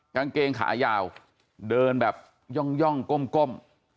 กางเกงขายาวเดินแบบย่องก้ม